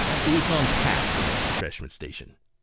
Porter. " We've gone past the next refreshment station."